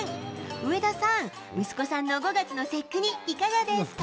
上田さん、息子さんの５月の節句にいかがですか。